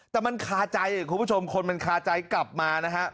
แต่มันคาใจคุณผู้ชมคนมันคาใจกลับมานะฮะ